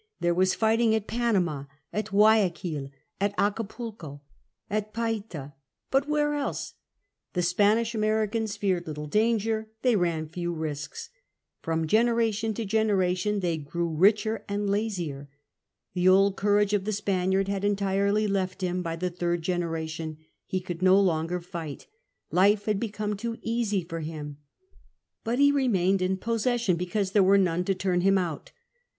Tliere was fighting at Panama, at Guayaquil, at Acapulco, at Payta — but where else ? The SiMinish Americans feare<l little danger ; they ran few risks ; from generation to genera tion they grew richer and lazier ; the old courage of the Spaniard had entirely left him by tlic thii*d generation ; he could no longer fight ; life had become too easy for him. But he remained in possession because there were none to turn him out.